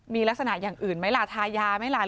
มีลักษณะอย่างอื่นไหมล่ะทายาไหมล่ะ